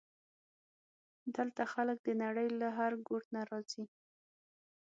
دلته خلک د نړۍ له هر ګوټ نه راځي.